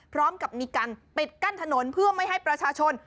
พร้อมกับมีการปิดกั้นถนนเพื่อไม่ให้ประชาชน